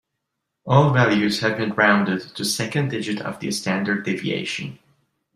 All values have been rounded to second digit of the standard deviation.